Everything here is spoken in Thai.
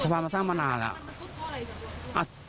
สะพานมันสร้างมานานแล้ว